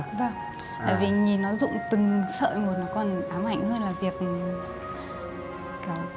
vâng tại vì nhìn nó rụng từng sợi một nó còn ám ảnh hơn là việc cắt